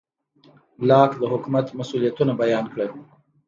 لاک د حکومت مسوولیتونه بیان کړل.